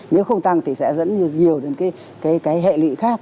nếu không tăng thì sẽ dẫn nhiều đến cái hệ lụy khác